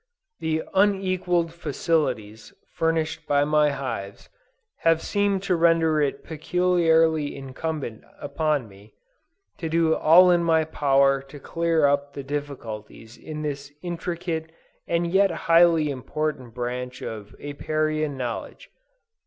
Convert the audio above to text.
The unequaled facilities, furnished by my hives, have seemed to render it peculiarly incumbent on me, to do all in my power to clear up the difficulties in this intricate and yet highly important branch of Apiarian knowledge.